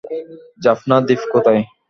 জাফনা দ্বীপ কোথায়?